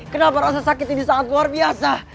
kenapa rasa sakit ini sangat luar biasa